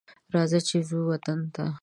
راځه چې ځو وطن ته